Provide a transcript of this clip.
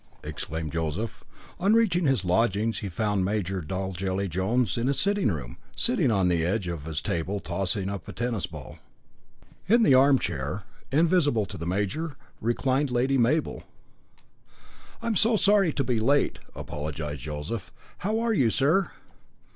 exclaimed Joseph. On reaching his lodgings he found Major Dolgelly Jones in his sitting room, sitting on the edge of his table tossing up a tennis ball. In the armchair, invisible to the major, reclined Lady Mabel. "I am so sorry to be late," apologised Joseph. "How are you, sir?"